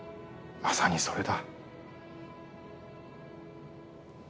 まさにそれだ。